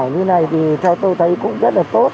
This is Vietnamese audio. vậy là chúng tôi cũng đúng chín giờ mới dám đến